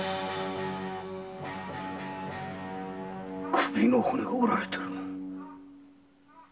首の骨を折られている！